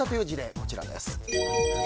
こちらです。